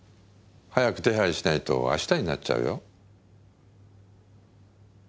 早く手配しないと明日になっちゃうよ。